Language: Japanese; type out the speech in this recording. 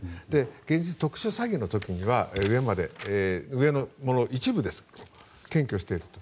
現実、特殊詐欺の時には上の者、一部ですけど検挙していると。